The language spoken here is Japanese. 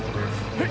えっ？